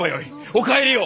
お帰りを。